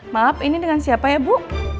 maaf ini dengan siapa ya bu